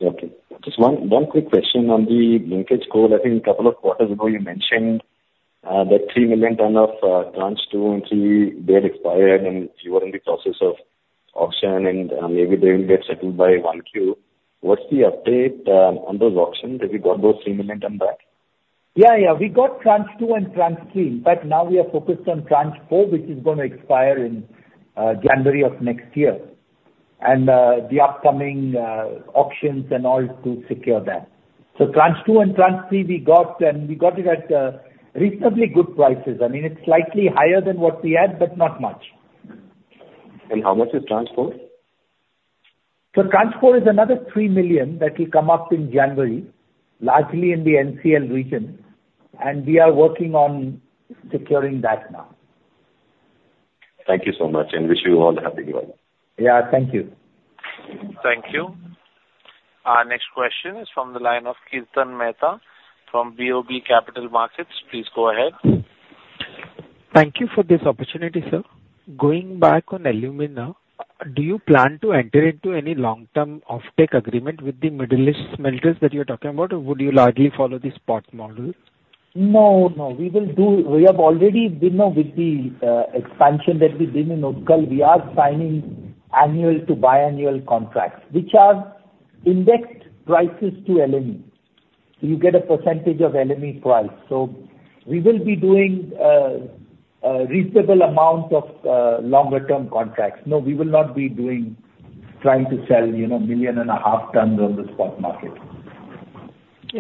Okay. Just one quick question on the linkage coal. I think a couple of quarters ago, you mentioned that 3 million tons of Tranche two and three had expired, and you were in the process of auction, and maybe they will get settled by 1Q. What's the update on those auctions? Have you got those 3 million tons back? Yeah, yeah. We got Tranche two and Tranche three, but now we are focused on Tranche four, which is gonna expire in January of next year. The upcoming auctions and all is to secure that. So Tranche two and Tranche three we got, and we got it at reasonably good prices. I mean, it's slightly higher than what we had, but not much. How much is Tranche four? Tranche four is another 3 million that will come up in January, largely in the NCL region, and we are working on securing that now. Thank you so much, and wish you all a happy new year. Yeah, thank you. Thank you. Our next question is from the line of Kirtan Mehta from BOB Capital Markets. Please go ahead. Thank you for this opportunity, sir. Going back on alumina, do you plan to enter into any long-term offtake agreement with the Middle East smelters that you're talking about, or would you largely follow the spot model? No, no. We will do. We have already been with the expansion that we did in Utkal. We are signing annual to biannual contracts, which are indexed prices to LME. You get a percentage of LME price, so we will be doing a reasonable amount of longer term contracts. No, we will not be doing. Trying to sell, you know, 1.5 million tons on the spot market.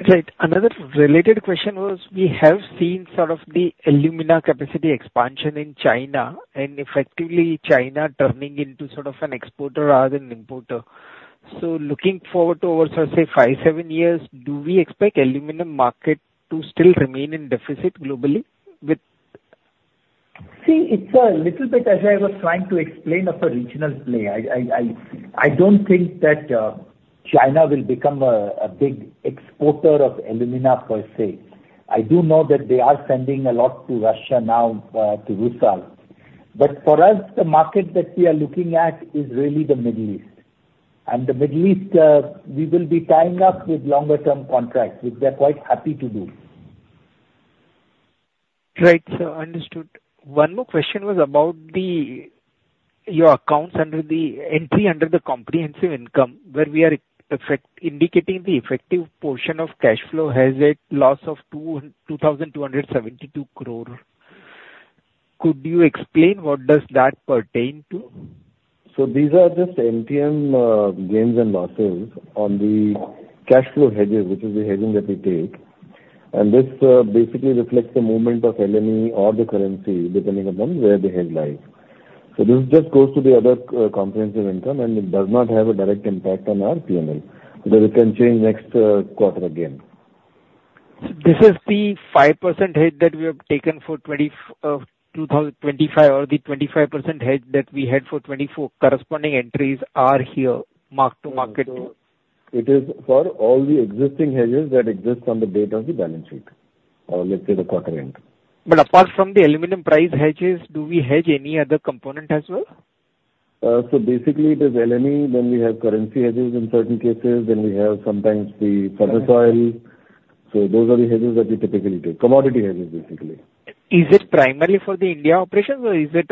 Right. Another related question was, we have seen sort of the alumina capacity expansion in China, and effectively China turning into sort of an exporter rather than importer. So looking forward to over, say, five, seven years, do we expect alumina market to still remain in deficit globally with...? See, it's a little bit, as I was trying to explain, of a regional play. I don't think that China will become a big exporter of alumina per se. I do know that they are sending a lot to Russia now, to Russia. But for us, the market that we are looking at is really the Middle East. And the Middle East, we will be tied up with longer term contracts, which we are quite happy to do. Right, sir. Understood. One more question was about the, your accounts under the entry under the comprehensive income, where we are indicating the effective portion of cash flow has a loss of 2,272 crore. Could you explain what does that pertain to? So these are just MTM gains and losses on the cash flow hedges, which is the hedging that we take. And this basically reflects the movement of LME or the currency, depending upon where the hedge lies. So this just goes to the other comprehensive income, and it does not have a direct impact on our P&L, because it can change next quarter again. This is the 5% hedge that we have taken for 2025, or the 25% hedge that we had for 2024. Corresponding entries are here, mark to market. It is for all the existing hedges that exist on the date of the balance sheet, or let's say the quarter end. Apart from the aluminum price hedges, do we hedge any other component as well? So, basically it is LME, then we have currency hedges in certain cases, then we have sometimes the furnace oil. So those are the hedges that we typically take. Commodity hedges, basically. Is it primarily for the India operations, or is it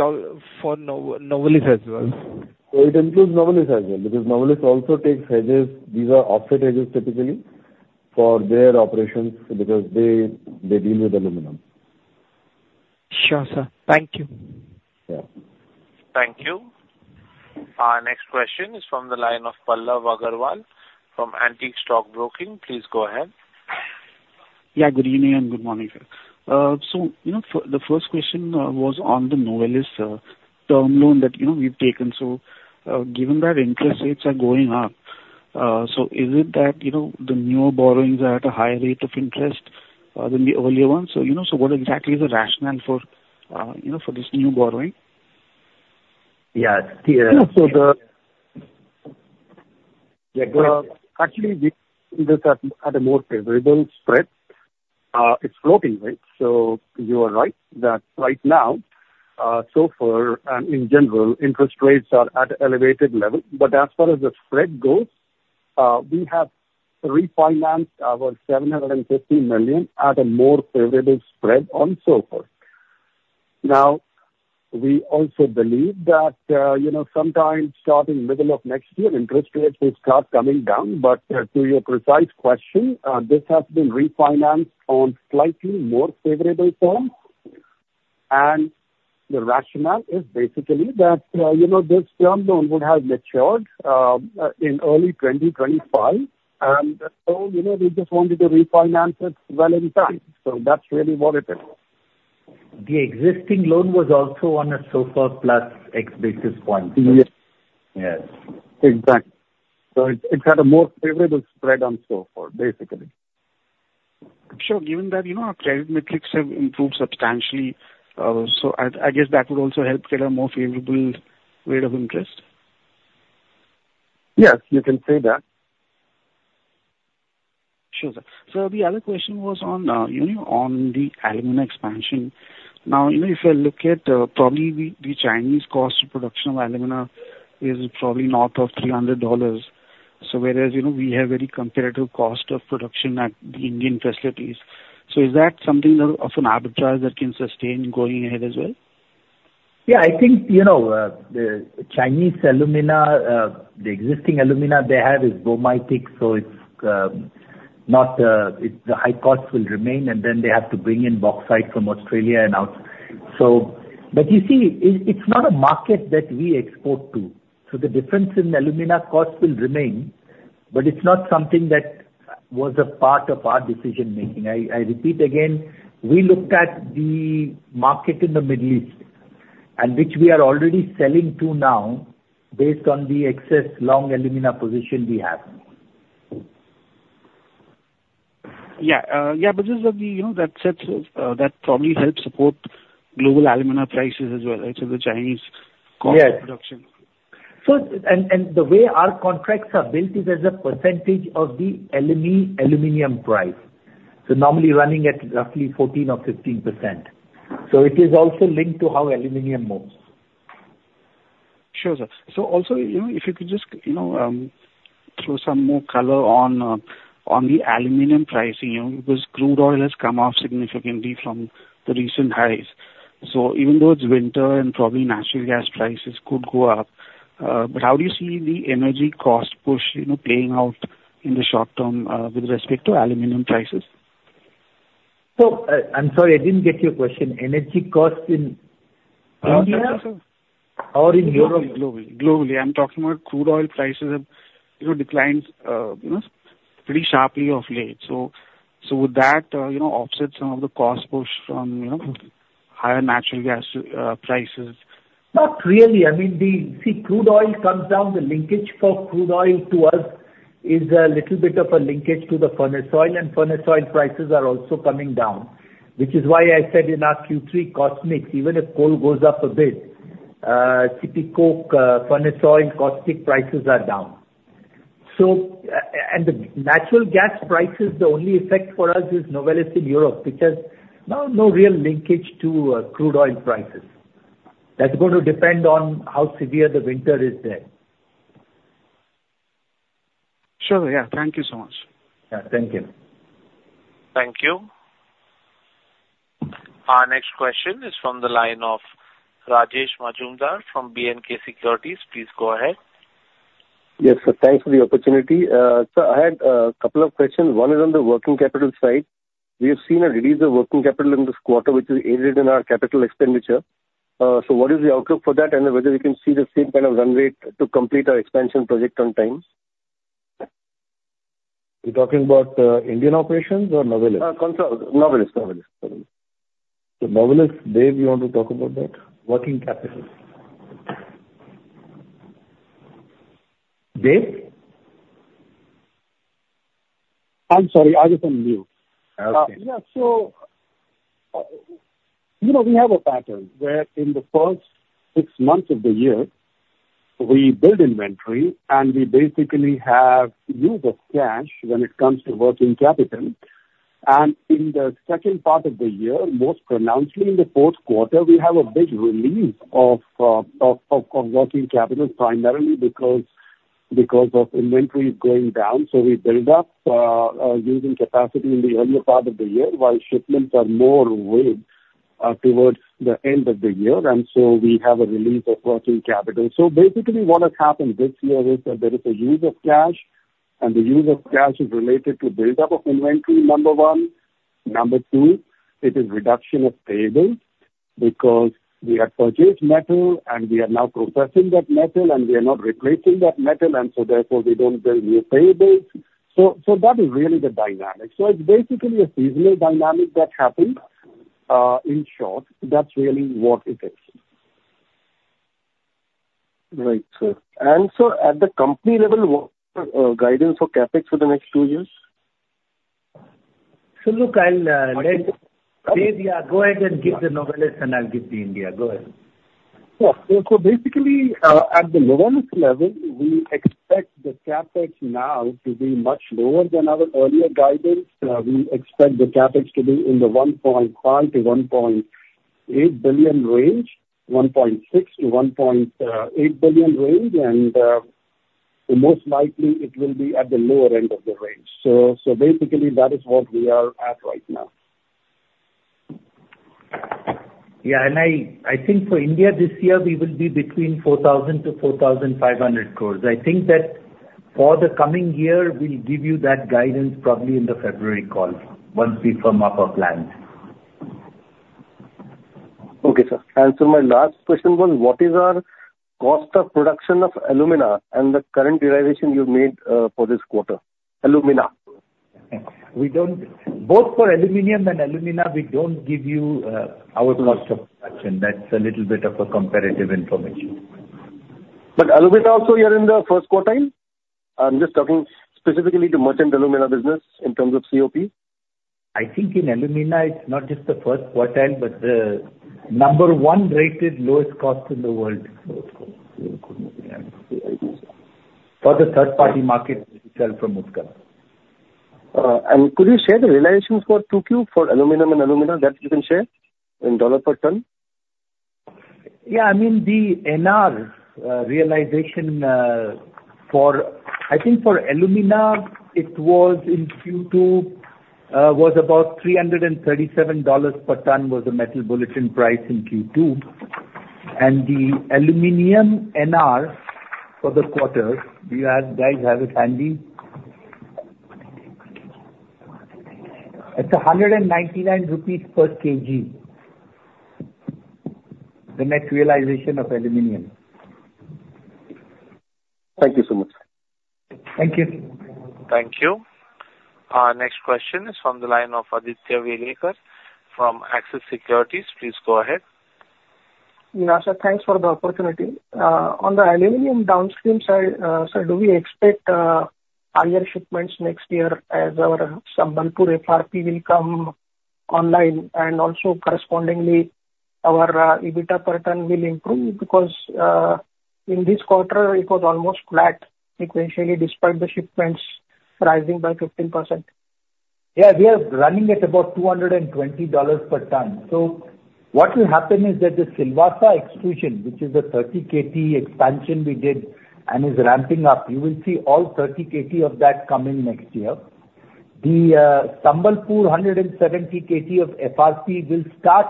for Novelis as well? It includes Novelis as well, because Novelis also takes hedges. These are offset hedges typically for their operations, because they deal with aluminum. Sure, sir. Thank you. Yeah. Thank you. Our next question is from the line of Pallav Agarwal from Antique Stock Broking. Please go ahead. Yeah, good evening and good morning, sir. So, you know, the first question was on the Novelis term loan that, you know, we've taken. So, given that interest rates are going up, so is it that, you know, the newer borrowings are at a higher rate of interest than the earlier ones? So, you know, so what exactly is the rationale for, you know, for this new borrowing? Yeah, so actually, we look at a more favorable spread. It's floating rate, so you are right that right now, so far, and in general, interest rates are at elevated level. But as far as the spread goes, we have refinanced our $750 million at a more favorable spread on SOFR. Now, we also believe that, you know, sometime starting middle of next year, interest rates will start coming down. But to your precise question, this has been refinanced on slightly more favorable terms. And the rationale is basically that, you know, this term loan would have matured in early 2025, and so, you know, we just wanted to refinance it well in time. So that's really what it is. The existing loan was also on a SOFR plus X basis point. Yes. Yes. Exactly. So it, it's at a more favorable spread on SOFR, basically. Sure. Given that, you know, our credit metrics have improved substantially, so I guess that would also help get a more favorable rate of interest? Yes, you can say that. Sure, sir. So the other question was on, you know, on the alumina expansion. Now, you know, if I look at, probably the Chinese cost of production of alumina is probably north of $300. So whereas, you know, we have very competitive cost of production at the Indian facilities. So is that something that of an arbitrage that can sustain going ahead as well? Yeah, I think, you know, the Chinese alumina, the existing alumina they have is bauxite, so it's not, the high cost will remain, and then they have to bring in bauxite from Australia and out. So... But you see, it, it's not a market that we export to, so the difference in alumina cost will remain, but it's not something that was a part of our decision making. I repeat again, we looked at the market in the Middle East, and which we are already selling to now based on the excess long alumina position we have. Yeah, yeah, because of the, you know, that sets, that probably helps support global alumina prices as well, right? So the Chinese- Yes. Cost of production. So, the way our contracts are built is as a percentage of the LME aluminum price, so normally running at roughly 14% or 15%. So it is also linked to how aluminum moves. Sure, sir. So also, you know, if you could just, you know, throw some more color on the aluminum pricing, you know, because crude oil has come off significantly from the recent highs. So even though it's winter and probably natural gas prices could go up, but how do you see the energy cost push, you know, playing out in the short term with respect to aluminum prices? I'm sorry, I didn't get your question. Energy costs in India? Uh, sir. Or in Europe? Globally, globally. I'm talking about crude oil prices have, you know, declined, you know, pretty sharply of late. So, so would that, you know, offset some of the cost push from, you know, higher natural gas prices? Not really. I mean, See, crude oil comes down. The linkage for crude oil to us is a little bit of a linkage to the furnace oil, and furnace oil prices are also coming down, which is why I said in our Q3 cost mix, even if coal goes up a bit, CP coke, furnace oil, caustic prices are down. So, and the natural gas prices, the only effect for us is Novelis in Europe, because now no real linkage to crude oil prices. That's going to depend on how severe the winter is there. Sure, yeah. Thank you so much. Yeah. Thank you. Thank you. Our next question is from the line of Rajesh Majumdar from B&K Securities. Please go ahead. ... Yes, sir, thanks for the opportunity. So I had couple of questions. One is on the working capital side. We have seen a release of working capital in this quarter, which is aided in our capital expenditure. So what is the outlook for that, and whether we can see the same kind of runway to complete our expansion project on time? You're talking about, Indian operations or Novelis? Novelis, Novelis, Novelis. So Novelis, Dev, you want to talk about that? Working capital. Dev? I'm sorry, I was on mute. Okay. Yeah, so, you know, we have a pattern where in the first six months of the year, we build inventory, and we basically have use of cash when it comes to working capital. And in the second part of the year, most pronouncedly in the fourth quarter, we have a big relief of working capital, primarily because of inventory going down. So we build up using capacity in the earlier part of the year, while shipments are more weighted towards the end of the year. And so we have a relief of working capital. So basically, what has happened this year is that there is a use of cash, and the use of cash is related to build-up of inventory, number one. Number two, it is reduction of payables, because we have purchased metal and we are now processing that metal, and we are not replacing that metal, and so therefore, we don't build new payables. So, so that is really the dynamic. So it's basically a seasonal dynamic that happens, in short, that's really what it is. Right, sir. And sir, at the company level, what guidance for CapEx for the next two years? So look, I'll let Dev, yeah, go ahead and give the Novelis, and I'll give the India. Go ahead. Yeah. So, so basically, at the Novelis level, we expect the CapEx now to be much lower than our earlier guidance. We expect the CapEx to be in the $1.5-$1.8 billion range, $1.6-$1.8 billion range. And, most likely it will be at the lower end of the range. So, so basically, that is what we are at right now. Yeah, and I, I think for India this year, we will be between 4,000 crore to 4,500 crore. I think that for the coming year, we'll give you that guidance probably in the February call, once we firm up our plans. Okay, sir. And so my last question was: What is our cost of production of alumina and the current realization you've made, for this quarter? Alumina. We don't... Both for aluminum and alumina, we don't give you, our cost of production. That's a little bit of a competitive information. But alumina also you're in the first quartile? I'm just talking specifically to merchant alumina business in terms of COP. I think in alumina it's not just the first quartile, but the number one rated lowest cost in the world. For the third party market we sell from Utkal. Could you share the realizations for 2Q for aluminum and alumina, that you can share, in $ per ton? Yeah, I mean, the NR realization for, I think for alumina, it was in Q2 was about $337 per ton, was the Metal Bulletin price in Q2. And the aluminum NR for the quarter, do you have, guys, have it handy? It's INR 199 per kg, the net realization of aluminum. Thank you so much. Thank you. Thank you. Our next question is from the line of Aditya Welekar from Axis Securities. Please go ahead. Yeah, sir, thanks for the opportunity. On the aluminum downstream side, sir, do we expect higher shipments next year as our Sambalpur FRP will come online and also correspondingly our EBITDA per ton will improve? Because, in this quarter, it was almost flat sequentially, despite the shipments rising by 15%. Yeah, we are running at about $220 per ton. So what will happen is that the Silvassa expansion, which is a 30 KT expansion we did and is ramping up, you will see all 30 KT of that coming next year. The Sambalpur 170 KT of FRP will start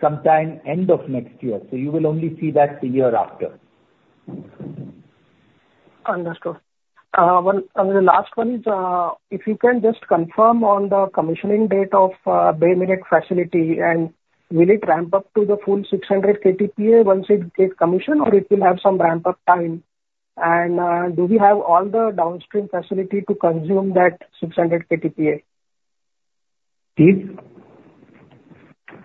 sometime end of next year, so you will only see that the year after. Understood. One, and the last one is, if you can just confirm on the commissioning date of Bay Minette facility, and will it ramp up to the full 600 KT once it gets commissioned, or it will have some ramp-up time? And, do we have all the downstream facility to consume that 600 KT? Steve?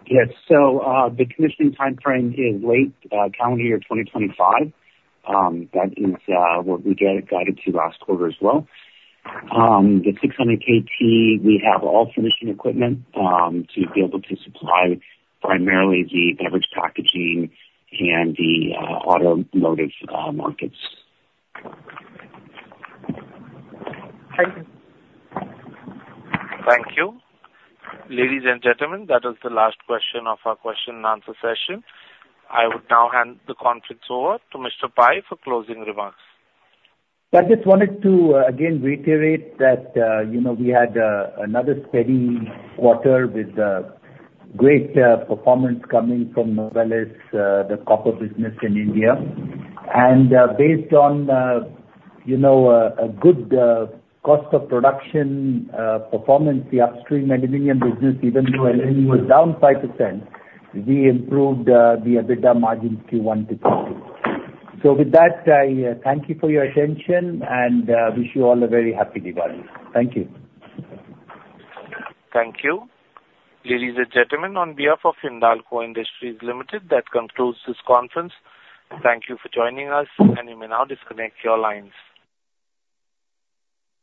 Yes. So, the commissioning timeframe is late calendar year 2025. That is what we get it guided to last quarter as well. The 600 KT, we have all finishing equipment to be able to supply primarily the beverage packaging and the automotive markets. Thank you. Thank you. Ladies and gentlemen, that is the last question of our question and answer session. I would now hand the conference over to Mr. Pai for closing remarks. I just wanted to again reiterate that, you know, we had another steady quarter with great performance coming from Novelis, the copper business in India. And based on, you know, a good cost of production performance, the upstream aluminum business, even though aluminum was down 5%, we improved the EBITDA margins Q1 to Q2. So with that, I thank you for your attention and wish you all a very happy Diwali. Thank you. Thank you. Ladies and gentlemen, on behalf of Hindalco Industries Limited, that concludes this conference. Thank you for joining us, and you may now disconnect your lines.